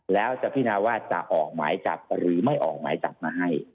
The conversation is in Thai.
แล้วจะพินาว่าจะออกหมายจับหรือไม่ออกหมายจับมาให้